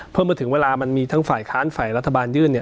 เพราะเมื่อถึงเวลามันมีทั้งฝ่ายค้านฝ่ายรัฐบาลยื่นเนี่ย